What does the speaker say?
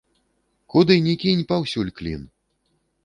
Куды ні кінь, паўсюль клін.